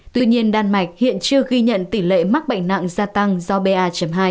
tuy nhiên đan mạch hiện chưa ghi nhận tỷ lệ mắc bệnh nặng gia tăng do ba hai